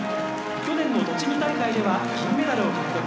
去年の栃木大会では銀メダルを獲得。